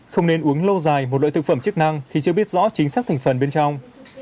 không nên uống lâu dài một loại thực phẩm chức năng khi chưa biết rõ chính xác thành phần bên trong